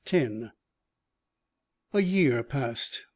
X A year passed.